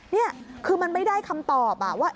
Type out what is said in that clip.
นี่คือมันไม่ได้คำตอบว่า